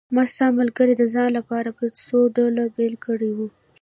ما ستا ملګري د ځان لپاره په څو ډلو بېل کړي وو.